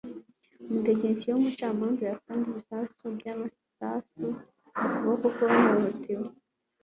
umutekinisiye w'ubucamanza yasanze ibisigazwa by'amasasu mu kuboko kwuwahohotewe